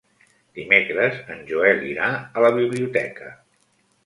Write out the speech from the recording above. Dimecres en Joel irà a la biblioteca.